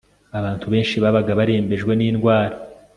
Abantu benshi babaga barembejwe nindwara